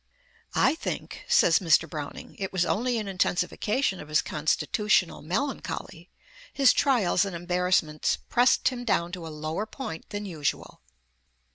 "I think," says Mr. Browning, "it was only an intensification of his constitutional melancholy; his trials and embarrassments pressed him down to a lower point than usual."